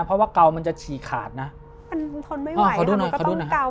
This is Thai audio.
เพราะว่าเกามันจะฉี่ขาดนะมันทนไม่ไหวอ่าขอดูหน่อยขอดูหน่อยมันก็ต้องเกา